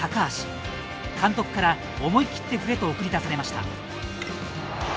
監督から思い切って振れと送り出されました。